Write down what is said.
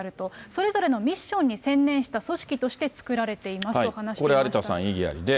それぞれのミッションに専念した組織として作られていますと話しこれ有田さん、異議ありで。